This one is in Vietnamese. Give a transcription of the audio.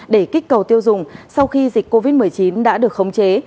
để kích cầu tiêu dùng sau khi dịch covid một mươi chín đã được khống chế